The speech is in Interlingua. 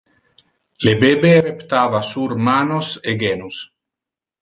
Le bebe reptava sur manos e genus.